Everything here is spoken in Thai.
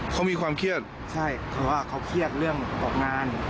เขามีความเครียดใช่เพราะว่าเขาเครียดเรื่องออกงาน